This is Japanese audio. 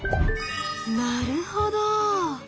なるほど！